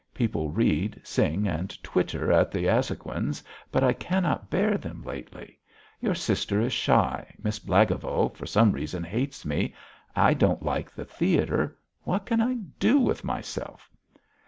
People read, sing, and twitter at the Azhoguins', but I cannot bear them lately. Your sister is shy, Miss Blagovo for some reason hates me. I don't like the theatre. What can I do with myself?"